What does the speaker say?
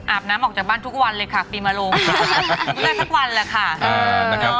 น้ำออกจากบ้านทุกวันเลยค่ะปีมาลงได้ทุกวันแหละค่ะ